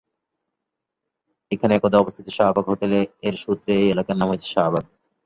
এখানে একদা অবস্থিত শাহবাগ হোটেল এর সূত্রে এই এলাকার নাম হয়েছে শাহবাগ।